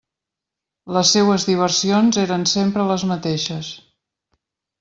Les seues diversions eren sempre les mateixes.